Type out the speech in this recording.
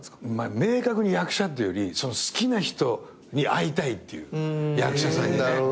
明確に役者っていうより好きな人に会いたいっていう役者さんにね。